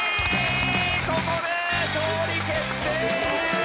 ここで勝利決定！